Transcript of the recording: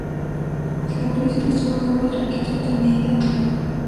La ampliación estuvo a cargo de la arquitecta Eneida de León.